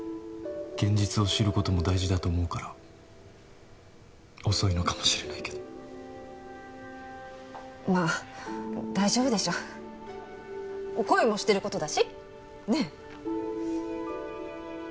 現実を知ることも大事だと思うから遅いのかもしれないけどまあ大丈夫でしょ恋もしてることだし？